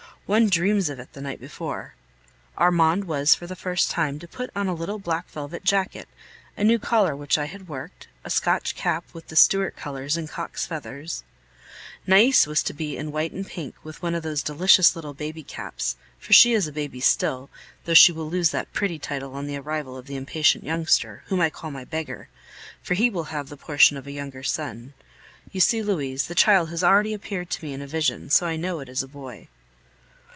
One dreams of it the night before! Armand was for the first time to put on a little black velvet jacket, a new collar which I had worked, a Scotch cap with the Stuart colors and cock's feathers; Nais was to be in white and pink, with one of those delicious little baby caps; for she is a baby still, though she will lose that pretty title on the arrival of the impatient youngster, whom I call my beggar, for he will have the portion of a younger son. (You see, Louise, the child has already appeared to me in a vision, so I know it is a boy.)